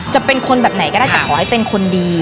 จะเป็นคนแบบไหนก็ได้แต่ขอให้เป็นคนดี